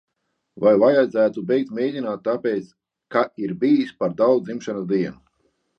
Vai vajadzētu beigt mēģināt tāpēc, ka ir bijis par daudz dzimšanas dienu?